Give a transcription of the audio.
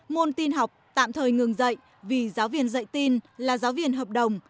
môn tin học tạm thời ngừng dạy vì giáo viên dạy tin là giáo viên hợp đồng